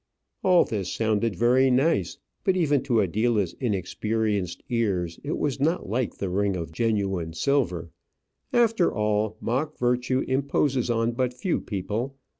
All this sounded very nice, but even to Adela's inexperienced ears it was not like the ring of genuine silver. After all, mock virtue imposes on but few people.